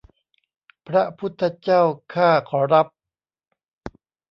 พระพุทธเจ้าข้าขอรับ